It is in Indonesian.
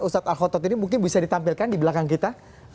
ustadz al khotot ini mungkin bisa ditampilkan di belakang kita